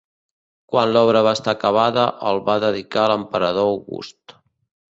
Quan l'obra va estar acabada el va dedicar a l'emperador August.